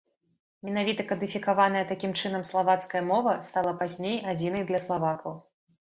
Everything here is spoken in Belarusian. Менавіта кадыфікаваная такім чынам славацкая мова стала пазней адзінай для славакаў.